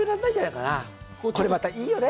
これまたいいよね。